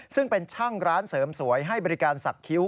ซึ่งเป็นช่างร้านเสริมสวยให้บริการสักคิ้ว